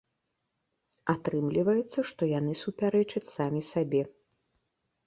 Атрымліваецца, што яны супярэчаць самі сабе.